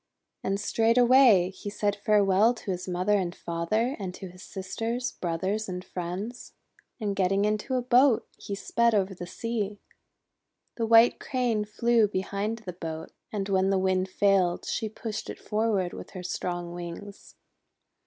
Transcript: And straightway he said farewell to his mother and father, and to his sisters, brothers, and friends; and getting into a boat, he sped over the sea. The White Crane flew behind the boat, and when the Wind failed, she pushed it forward with her strong wings.